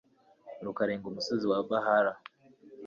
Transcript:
rukarenga umusozi wa bahala